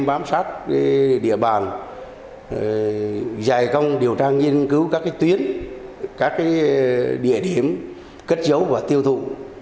bám sát địa bàn giải công điều tra nghiên cứu các tuyến các địa điểm cất giấu và tiêu thụ